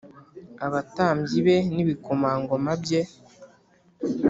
Abatambyi be n ibikomangoma bye